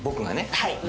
はい。